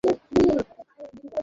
আপনি আমার পিছু করেছেন, তাই না?